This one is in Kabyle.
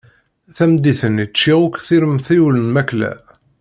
Tameddit-nni ččiɣ akk tiremt-iw n lmakla.